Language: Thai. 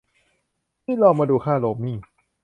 ที่นี้ลองมาดูค่าโรมมิ่ง